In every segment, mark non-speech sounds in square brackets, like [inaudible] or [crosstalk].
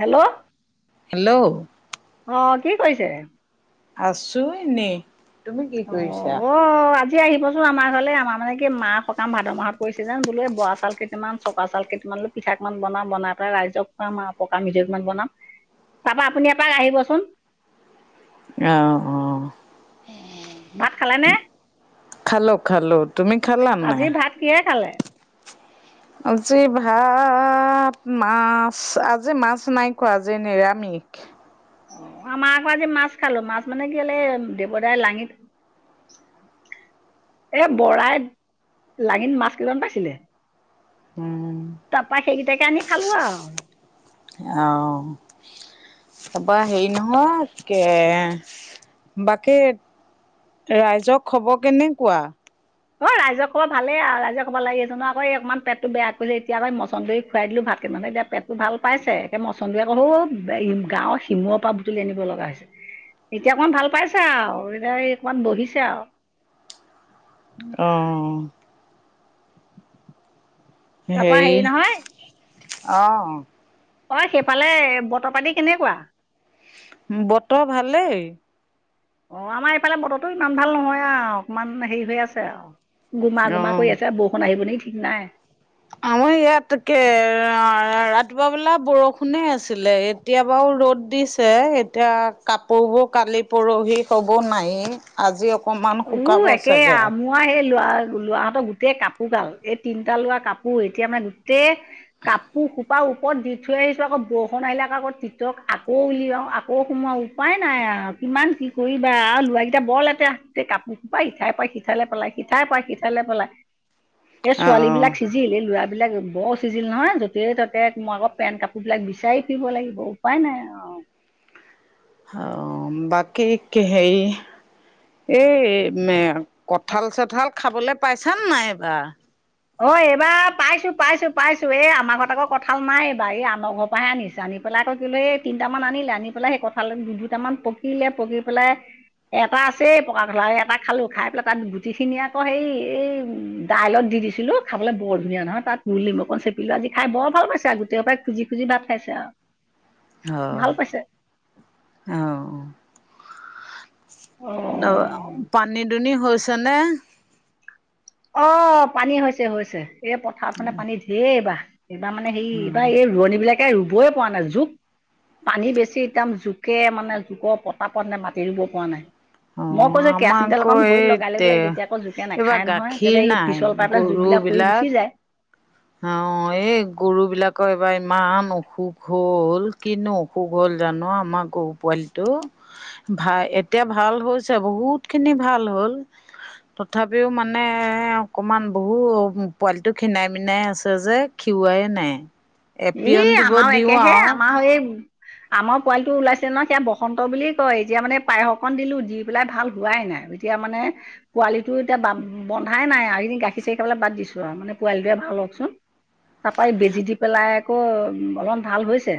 Hello. Hello. অ, 'কি কৰিছে? আছো এনে অ, 'অ, 'আজি আজি আহিবচোন আমাৰ ঘৰলৈ, আমাৰ মানে কি মা সকাম ভাদ মাহত পৰিছে যেন, বোলো এই বৰা চাউল কেইটান চকোৱা চউাল কেইটামানলৈ পিঠা মান বনাম বনাই পেলাই ৰাইজক খুৱাম আৰু পকা মিঠৈকমান বনাম। তাৰপা আপুনি এপাক আহিবচোন। অ', অ'। অ ভাত খালে নে? খালোঁ খালোঁ তুমি খালানে নাই? কিহেৰে খালে? আজি ভাত মাছ আজি মাছ নাই কোৱা আজি নিৰামিষ অ, ' আমাৰ আকৌ আজি মাছ খালো, মাছ মানে কি হ'ল দেৱদাই লাঙিত এ বৰাই লাঙিন মাছ কেইটা মান পাইছিলে। উম। তাৰপা সেইকেইটাকে আনি খালো আৰু আহ'। তাৰপাৰ হেৰি নহয় বাকি ৰাইজৰ খবৰ কেনেুৱা? অ, ' ৰাইজ খবৰ ভালে ৰাইজে ক'ব নালাগে ন আকৌ অকমান পেটটো বেয়া কৰিলে এতিয়া আই মচন্দৰি খুৱাই দিলো ভাতকে নহ দে পেটটো ভাল পাইছে, একে মচন্দৰি অকনো সৌ গাঁৱৰ শিমূৰ পৰা বুটলি আনিব লগা হৈছে। এতিয়া অকমান ভাল পাইছো আৰু এতিয়া অকমান বহিছে আৰু অ'। তাৰপা হেৰি নহয় অঁ অ, 'সেইফালে বতৰ পানী কেনেকুৱা? বতৰ ভালেই। অ, 'আমাৰ এইফালে বতৰটো ইমান ভাল নহয় আৰু অকমান হেৰি হৈ আছে আৰু গোমা গুমা অঁ কৰি আছো বৰষুণ আহিব নি ঠিক নাই। আমাৰ ইয়াত তাকে ৰাতিপুৱা বেলা বৰষুণে আছিলে এই এতিয়াবাৰু ৰ'দ দিছে, এতিয়া কাপোৰবোৰ কালি পৰহি হ'ব নাইয়ে আজি অকণমান শুকাব চাগে। মই সেই ল'ৰা লৰাহঁতৰ গোটেই কাপোৰ গাল এই তিনিটা লোৱা কাপোৰ এতিয়া মানে গোটেই কাপোৰ ওপৰত দি থৈ আহিছোঁ আকৌ বৰষণ আহিলে আক আকৌ তিতক আকৌ উলিয়াওঁ আকৌ সোমাওঁ উপায় নাই। কিমান কি কৰিবা আৰু ল'ৰাকেইটা বৰ লেতেৰা গোটে কাপোৰ কোপা ইঠায় পৰখ সিঠাইলৈ পেলাই সিঠাই পাৰা সিঠাইলৈ পেলায়। এই অ ছোৱালী বিলাক চিজিল এই ল'ৰা বিলাক বৰ চিজিল নহয় য'তেই ততে মই আকৌ পেন্ট কাপোৰ বিলাক বিচাৰি ফুৰিব লাগিব, উপায় নাই আৰু অ, 'বাকী কিহেৰি এই কঁঠাল চঁঠাল খাবলৈ পাইছান নাই এইবাৰ? অ, ' এইবাৰ পাইছো পাইছো পাইছো, এই আমাৰ ঘৰত আকৌ কঁঠাল নাই এইবাৰ এই আমাৰ ঘৰৰ পৰাহে আনিছো। জানি পেলাই আকৌ দিলে এই তিনিটামান আনিলে আনি পেলাই সেই কঁঠাল দুটামান পকিলে পকি পেলাই এটা আছে পকা কঠাল এটা খালো, খাই পেলাই তাৰ গুটিখিনি আকৌ হেই এই দাইলত দি দিছো। আছিলো খাবলৈ বৰ ধুনীয়া নহয়, তাত গোল নেমু অকন চেপিলো আজি খাই বৰ ভাল পাইছে, আৰু গোটেই খোপাই খুজি খুজি ভাত খাইছে আৰু। ভাল হয় পাইছে অ'। অ'। অ পানী দুনি হৈছে নে? অ পানী হৈছে হৈছে, এই পথাৰত মানে পানী ধেই এইবাৰ। এইবাৰ মানে হেই এইবাৰ এই ৰোৱনী বিলাকে ৰুবই পৰা নাই জোক পানী বেছি একদম জোকে মানে জোকৰ পতা পত নে মাতি ৰুব পৰা নাই। অ মই কৈছো আমাৰ কেৰাচিন তেল আকৌ অকন ভৰিত এই লগাই লব লাগে তেতিয়া আকৌ জোকে এইবাৰ নাখায় নহয়। গাখীৰ তেনতে এই নাই পিছল পায় পেলাই জোখবিলাক পৰি গৰুবিলাক গুচি যায়। অ এই গৰু বিলাকৰ এইবাৰ ইমান অসুখ হ'ল কিনো অসুখ হ'ল জানো আমাৰ গৰু পোৱালিটো? ভা এতিয়া ভাল হৈছে বহুত খিনি ভাল হ'ল। তথাপিও মানে অকমান বহু পোৱালি খীনাই মিনাই আছে যে খিওৱাই নাই। এপিয়ন এই দিব আমাৰ দিওঁ একেহে আৰু আমাৰ এই আমাৰ পোৱালিটো ওলাইছে নহয়, সেইয়া বসন্ত বুলিয়ে কয় এতিয়া মানে পায়স অকন দিলো দি পেলাই ভাল হোৱাই নাই। এতিয়া মানে পোৱালিটো এতিয়া বন্ধাই নাই আৰু এইকেইদিন গাখীৰ চাখিৰ পালে বাদ দিছো আও, মানে পোৱালিটোৱে ভাল হওকচোন। তাৰপৰা এই বেজি দি পেলাই আকৌ অলপমান ভাল হৈছে।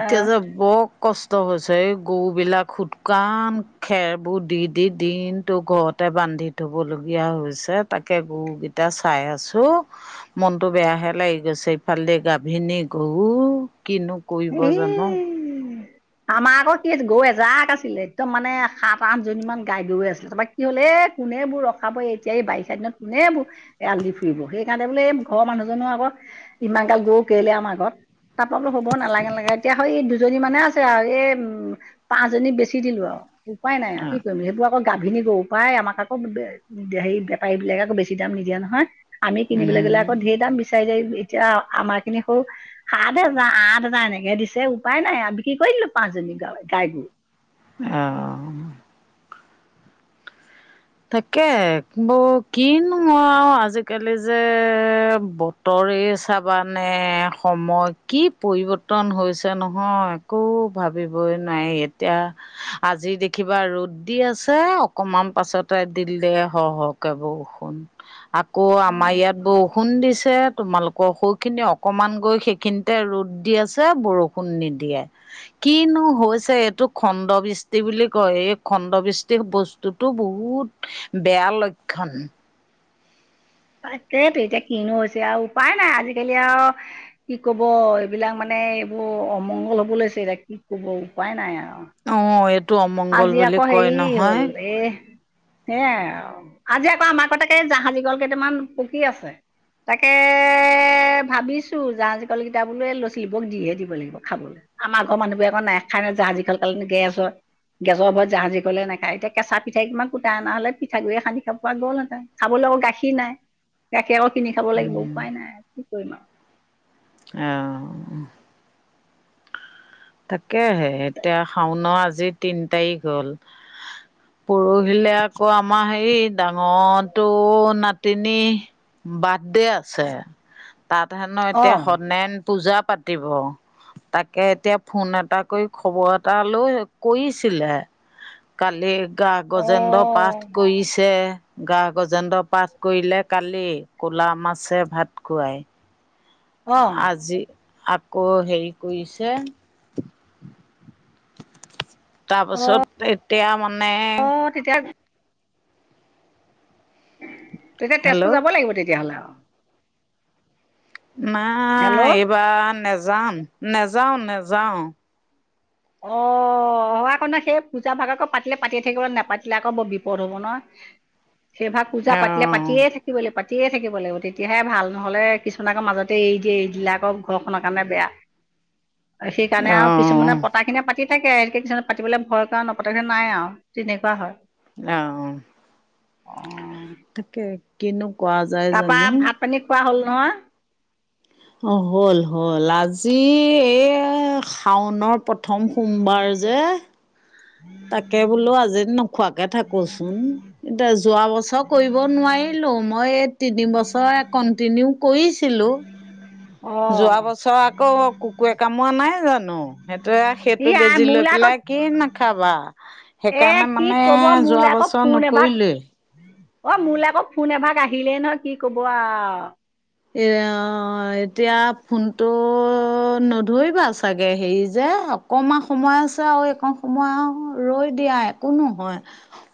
এতিয়া যে বৰ ক কষ্ট হৈছে এই গৰুবিলাক শুকান খেৰবোৰ দি দি দিনতো ঘৰত তে বান্ধি থব লগীয়া হৈছে তাকে গৰুকেইটা চাই আছো। মনটো বেয়াহে লাগি গৈছে, ইফালে দি গাভিনী গৰু কিনো এ কৰিব জানো। আমাৰ আকৌ কি গৰু এজাক আছিলে একদম মানে সাত আঠজনী মান গাই গৈ আছিলে, তাৰপা কি হ'ল এ কোনে এইবোৰ ৰখাব এতিয়া এই বাৰিষা দিনত কোনে এইবোৰ এআলি ফুৰিব সেইকাৰণে বোলে এই ঘৰৰ মানুহজনো আকৌ ইমান গাল গৰু কেলেই আমাৰ ঘৰত, তাৰপৰা বোলো হব নালাগে নালাগে, এতিয়া সেই দুজনী মানে আছে আও, এই উম পাঁচজনী বেচি দিলো আও। উপায় নাই আ কি কৰিম এইবোৰ আক আকৌ গাভিনী গৰু প্ৰায় আমাক আকৌ হেৰি বেপাৰী বিলাকে আকৌ বেছি দাম নিদিয়া নহয়। আমি কিনিবলৈ গ'লে উম আকৌ ধেই দাম বিচাৰি যায় এতিয়া আমাৰ খিনি সৰু সাত হজাৰ আঠ আঠ হেজাৰ এনেকেহে দিছে উপায় নাই আও বিক্ৰী কৰি দিলো পাঁচজনী গাই গৰু। অঁ। তাকে বৌ কিনো আও আজিকালি যে ব তৰে চাবানে সময় কি পৰিৱৰ্তন হৈছে নহয়! একো ভাবিবই নোৱাৰি এতিয়া আজি দেখিবা ৰ'দ দি আছে অকমান পাছত দিলে হ হকে বৰষুণ, আকৌ আমাৰ ইয়াত বৰষু বৰষুণ দিছে তোমালোকৰ সৌখিনি অকণমান গৈ সেইখিনিতে ৰ'দ দি আছে, বৰ ষুণ নিদিয়ে। কিনো হৈছে এইটো খণ্ডবৃষ্টি বুলি কয়, এই খণ্ডবৃষ্টিৰ বস্তুতটো বহুত বেয়া লক্ষণ। তাকেইতো এতিয়া কিনো হৈছে আৰু উপায় নাই আজিকালি আও কি কব এইবিলাক মানে এইবোৰ অমংগল হব লৈছে এতিয়া কি কব উপায় নাই আও। অ এইটো অমংগল বুলি কয় হ'ল নহয়। এ সেয়াই আও, আজি আকৌ আমাৰ ক তাকে জাহাজী কল কেইটামান পকি আছে। তাকে ভাবিছো জাহাজী কল কেইটা বোলো এই ল'ৰা ছাৱালী কেইটাক দিয়ে দিব লাগিব খাবলৈ। আমাৰ ঘৰৰ মানুহবোৰে আকৌ নাখায় নহয় জাহাজী কল খালে ন গেছ হয়। গেছৰ ভয়ত জাহাজী কলে নাখায় এতিয়া কেঁচা পিঠাই অকণমান কূটাই অনা হ'লে পিঠাগুৰিৰে সানি খাব পৰা গ'ল হেঁতেন। খাবলৈ আকৌ গাখীৰ নাই গাখীৰ আকৌ কিনি খাব লাগিব উম। উপায় নাই কি কৰিম আৰু অহ তাকে হে এতিয়া শাওনৰ আজি তিনি তাৰিখ হ'ল। পৰহিলে আকৌ আমাৰ হেৰি ডাঙৰটো নাতিনী বাৰ্থডে আছে। তাত হেনো এতিয়া অঁ সত্যনাৰায়ন পূজা পাতিব তাকে এতিয়া ফোন এটা কৰি খবৰ এটা লৈ কৰিছিলে কালি গা গজেন্দ্ৰৰ পাঠ অঁ কৰিছে গা গজেন্দ্ৰৰ পাঠ কৰিলে কালি ক'লা মাছে ভাত খুৱায়। অঁ আজি আকৌ হেৰি কৰিছে অঁ তাৰপাছত এতিয়া মানে অঁ তেতিয়া তেতিয়া তেজপুৰ হেল্ল' যাব লাগিব তেতিয়া হ'লে আৰু। নাই হেল্ল' এইবাৰ নেযাম নেযাওঁ নেযাওঁ। অহ অ আকৌ নহয় সেই পূজা ভাগ আকৌ পাতিলে পাতিয়ে থাকিব লাগে নাপাতিলে আকৌ বৰ বিপদ হব নহয়। সেই ভাগ পূজা পাতিলে পাতিয়ে অঁ থাকি ব লাগিব পাতিয়ে থাকিব লাগিব তেতিয়াহে ভাল নহ'লে কিছুমান আকৌ মাজতে এৰি দিয়ে এৰি দিলে আকৌ ঘৰখনৰ কাৰণে বেয়া [inaudible] সেইকাৰণে আৰু অঁ কিছুমানে পতা খিনিয়ে পাতি থাকে একে কিছুমানে পাতিবলৈ ভয় কৰা নপতা খিনি নাই আৰু তেনেকুৱা হয়। অহ অ তাকে কিনো কৰা যায় তাৰপা জানো ভাত পানী খোৱা হ'ল নহয়? অ হ'ল হ'ল আজি এই শাওনৰ প্ৰথম সোমবাৰ যে তাকে বোলো আজি নোখোৱাকে থাকোচোন। এতিয়া যোৱা বছৰ কৰিব নোৱাৰিলো মই এই তিনি বছৰে কণ্টিনিউ কৰিছিলো অ যোৱা বছৰ আকৌ কুকুৰে কামোৰা নাই জানো সেইটোৱে। ই সেইটো আই বেজি লৈ মোৰলৈ আকৌ পেলাই কি নাখাবা এ সেইকাৰণে কি মানে কব যোৱা মোৰলৈ আকৌ বছৰ ফোন এভাগ নকৰিলোৱেই। অ মোলৈ আকৌ ফোন এভাগ আহিলেই নহয় কি ক'ব আৰু। এ ও এতিয়া ফোনটো নধৰিবা চাগে হেৰি যে অকণমান সময় আছে আৰু এইকণ সময় আৰু ৰৈ দিয়া একো নহয়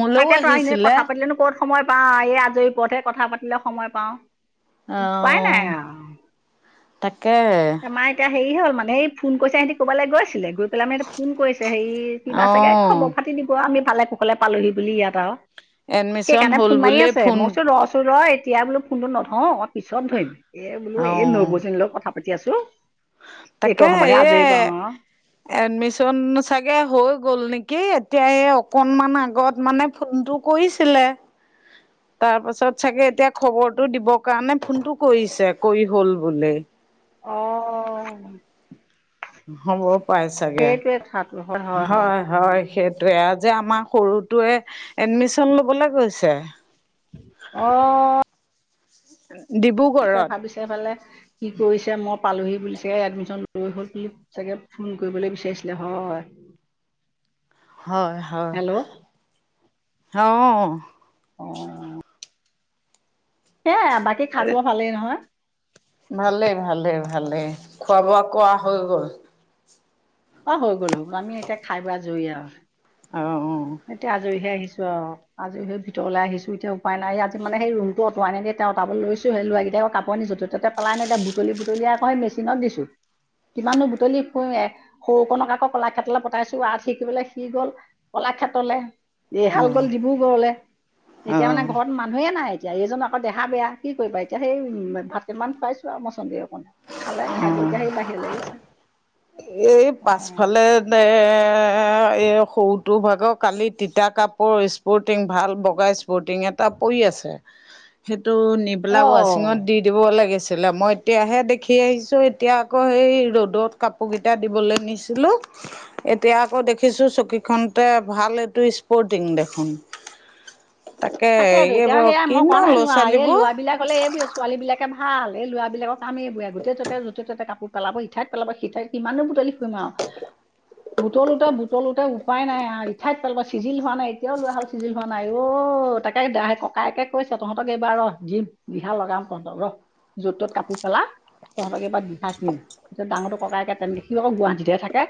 মোলৈও তাকেতো এনে আহিছিলে। কথা পাতিলেনো ক'ত সময় পাওঁ এই আজৰি পৰতহে কথা পাতিলে সময় পাওঁ উপাই নাই অ আৰু। তাকে আমাৰ এতিয়া হেৰি হ'ল মানে এই ফোন কৰিছে সিহঁতে কৰবালে গৈছিলে গৈ পেলাই মানে সিহঁতে ফোন কৰিছে হেৰি অ কিবা চাগে খবৰ পাতি দিব আমি ভালে কুশলে পালোহি বুলি ইয়াত আৰু। এডমিশন সেইকাৰণে হ'ল ফোন মাৰি বুলিয়ে আছে ফোন মই কৈছো ৰ চোন ৰ এতিয়া বোলো ফোনটো নধৰো অকমান পিছত ধৰিম। এ বোলো অ এই নবৌ জনী লগত কথা পাতি আছো এই কণ সময়তহে আজৰি পাওঁ আৰু। এডমিছন চাগে হৈ গ'ল নেকি! এতিয়া এই, অকণমান আগত মানে, ফোনটো কৰিছিলে। তাৰ পাছত চাগে, এতিয়া খবৰটো দিবৰ কাৰণে, ফোনটো কৰিছে, কৰি হ'ল বুলি। অ'! হ'ব পাই চাগে, হয়। হয়, সেইটো যে, আমাৰ সৰুটোৱে, এডমিছন ল'বলে গৈছে। অ'! [unintelligible] পিছে, ভাবিছে এফালে, কি কৰিছে মই পালোহি বুলি চাগে, এডমিছন লৈ হ'ল [unintelligible] চাগে, ফোন কৰিবলৈ বিচাৰিছিলে। হয়! হয়, হয়! হেল্ল' অ'! অ'! সেয়াই, বাকী খা-খবৰ ভালেই নহয়? ভালে-ভালে-ভালে। খোৱা-বোৱা কৰা হৈ গ'ল? অ'! হৈ গ'ল, হৈ গ'ল। আমি, এতিয়া খাই-বৈ আজৰি আৰু। অ' অ'! এতিয়া, আজৰি হৈ আহিছোঁ আৰু। আজি, সেই ভিতৰলৈ আহিছোঁ। এতিয়া, উপায় নাই। আজি মানে, সেই ৰুমটো অতৰাই নাই দিয়া। এতিয়া, অতৰাব লৈছোঁহে। ল'ৰা কেইটাই আকৌ, কাপোৰ-কানি য'তে তাতে, পেলাই নাই দিয়া। বুটলি-বুটলি আকৌ, মেচিনত দিছোঁ। কিমাননো বুটলি ফুৰি সৰু কণক আকৌ, কলাক্ষেত্ৰলৈ পঠাইছোঁ। আৰ্ট শিকিবলে সি গ'ল। কলাক্ষে ত্ৰলে। এইহাল গ'ল ডিব্ৰুগড়লে। অ অ এতিয়া মানে, ঘৰত মানুহে নাই, এতিয়া। এইজন আকৌ, দেহা বেয়া, কি কৰিবা এতিয়া! সেই ভাত কিমান খুৱাইছোঁ আৰু মছন্দৰী অকণ। খালে, খাই- বৈ এতিয়া, সেই বাহিৰলৈ গৈছে। এই, পাছফালে নে, এই সৰু তোৰ ভাগৰ কালি, তিতা কাপোৰ, স্পৰ্টিং, ভাল বগা স্পৰ্টিং এটা পৰি আছে। সেইটো, নি অ পেলাই ৱাচিঙত দি দিব লাগিছিলে। মই এতিয়াহে, দেখি আহিছোঁ। এতিয়া, আকৌ সেই ৰ'দত কা পোৰ কেইটা দিবলে নিছিলোঁ। এতিয়া আকৌ দেখিছোঁ, চকীখনতে। ভাল এইটো, স্পৰ্টিং দেখোন! তাকে, তাকেতো এতিয়া [unintelligible] সেয়া মই কোৱা কিনো নাই ল'ৰা- যোৱা এই ছোৱালীবোৰ। [unintelligible] এইবোৰে, ছোৱালী বিলাকে ভাল, এই ল'ৰাবলাকক কাম এই বোৰে। গোটেই ত'তে, য'তে-ত'তে কাপোৰ পেলাব ইঠাইত পেলাব, সিঠাইত। কিমাননো বুটলি ফুৰিম আৰু! বুটলোতে- বুটলোতে উপায় নাই আৰু। ইঠাইত পেলাব, চিজিল হোৱা নাই। এতিয়াও লোৱা হ'ল, চিজিল হোৱা নাই। অ'! তাকে, [unintelligible] ককায়েকে কৈছে, তহঁতক এইবাৰ ৰ' দিম, দিহা লগাম তহঁতক, ৰ'। য'ত-ত'ত কাপোৰ পেলা। তহঁতক এইবাৰ দিহা দিম। ডাঙৰটো ককাইকে, [unintelligible] সি আকৌ, গুৱাহাটীতহে থাকে।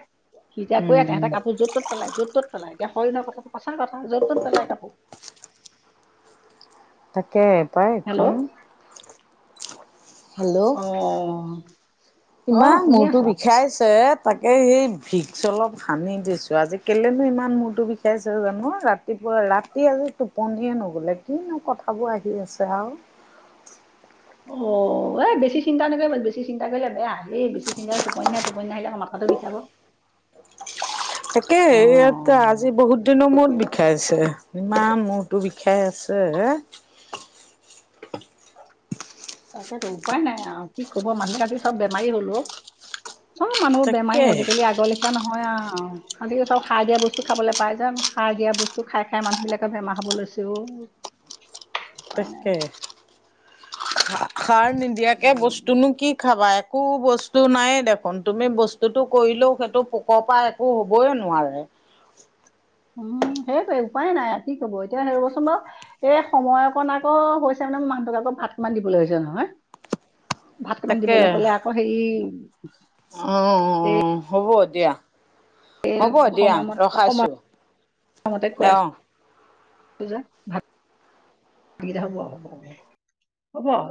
সি এতিয়া, [unintelligible] এহঁতে উম কাপোৰ য'ত-ত'ত পেলাই, য'ত- ত'ত পেলাই। এতিয়া, হয় নহয় কথাটো? সঁচা কথা। তাকে, পায় এখন। হেল্ল' হেল্ল' অ'! ইমান মূৰতো বিষাইছে! তাকে এই, ভিক্স অলপ সানি দিছোঁ। আজি, কেলেনো ইমান মূৰটো বিষাইছে জানোঁ! ৰা ৰাতিপুৱা, ৰাতি আজি টোপনিয়ে নগ'লে, কিনো কথাবোৰ আহি আছে আৰু! অ'! এই, বেছি চিন্তা নকৰিবা, বেছি চিন্তা কৰিলে বেয়া! এই, বেছি চিন্তা কৰিলে, টোপনি নাহে, টোপনি নাহিলে, মাথাটো [unintelligible] তাকে, ইয়াত অঁ আজি, বহুত দিনৰ মূৰত বি বিখাইছে ইমান মূৰতো বিষাই আছে। [inaudible] তাকেতো উপায় নাই আৰু কি ক'ব মানুহ কাতি চব বেমাৰী হ'লো অ'। চব মানুহৰ বেমাৰী তাকে আজিকালি আগৰ লে খিয়া নহয় আৰু খালি চব সাৰ দিয়া বস্তু খাবলৈ পাই যায় যে, সাৰ দিয়া বস্তু খাই খাই মানুহ বিলাকৰ বেমাৰ হ'ব লৈছে। [unintelligible] [inaudible] উপায় নাই তাকে, সাৰ নিদিয়াকে উম, বস্তুনো কি খাবা এক একো বস্তু নায়েই দেখোন, তুমি বস্তুটো কৰিলেও সেইটো পোকৰ পৰা একো হ'বই নোৱাৰে। উম, সেইটোৱে উপায় নাই কি কব এতিয়া ৰবচোন বাৰু। এই সময় অকণ আকৌ হৈছে মানে, মোৰ মানুহটোক আকৌ ভাত কেইটামান দিবলৈ হৈছে নহয়। ভাতকেইটামান তাকে দিবলৈ হ'লে আকৌ হেৰি অ', হ'ব দিয়া। হ'ব দিয়া সময়মতে ৰখাইছো, সময়মতে খুৱাই অহ। আছো [unintelligible] হ'ব, হ'ব, হ'ব, হ'ব।